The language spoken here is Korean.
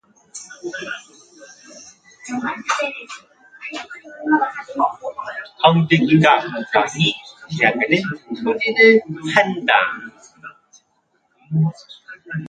정득이가 구렁이 지나가는 소리를 한다.